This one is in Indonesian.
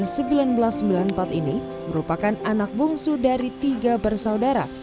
erina yang berusia sembilan belas sembilan puluh empat ini merupakan anak bungsu dari tiga bersaudara